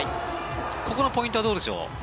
ここのポイントはどうでしょう？